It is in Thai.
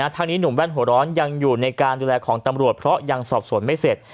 ทางนี้หนุ่มแว่นหัวร้อนยังอยู่ในการดูแลของตำรวจเพราะยังสอบสวนไม่เสร็จ